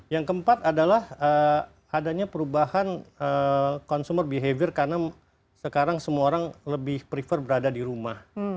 yang keempat adalah adanya perubahan consumer behavior karena sekarang semua orang lebih prefer berada di rumah